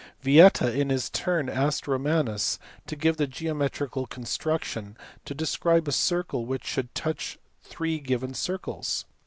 Vieta in his turn asked Romanus to give a geometrical construction to describe a circle which should touch three given circles.